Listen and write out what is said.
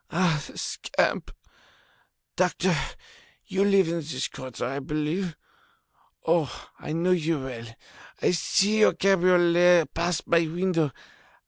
Ah, the scamp! Doctor, you live in this quarter, I believe? Oh! I know you well. I see your cabriolet pass my window.